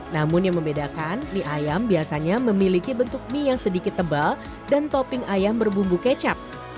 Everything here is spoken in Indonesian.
namun yang membedakan mie ayam biasanya memiliki bentuk mie yang sedikit tebal dan topping ayam berbumbu kecap